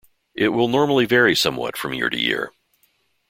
It will normally vary somewhat from year to year.